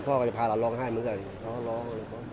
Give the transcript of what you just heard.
พ่อก็จะพาเราร้องไห้เหมือนกัน